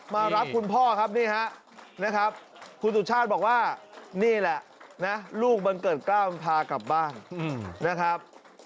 มารับคุณพ่อครับคุณสุชาติบอกว่านี่แหละลูกบังเกิดกล้ามพากลับบ้านนะครับ